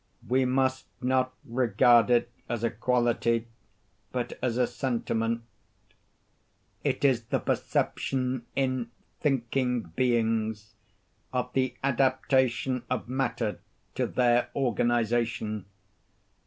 We must not regard it as a quality, but as a sentiment:—it is the perception, in thinking beings, of the adaptation of matter to their organization.